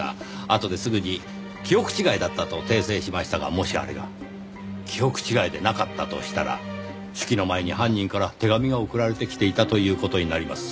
あとですぐに記憶違いだったと訂正しましたがもしあれが記憶違いでなかったとしたら手記の前に犯人から手紙が送られてきていたという事になります。